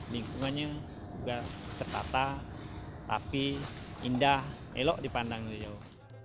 lingkungannya juga tertata tapi indah elok dipandang dari jauh